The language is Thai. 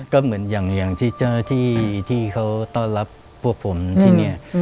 ก็เหมือนอย่างที่เจอที่เขาต้อนรับพวกผมที่เนี่ย